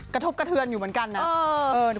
กระทบกระเทือนอยู่เหมือนกันนะ